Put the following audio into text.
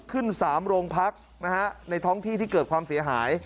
ขึ้น๓โรงพักนะฮะในท้องที่ที่เกิดความเสียหาย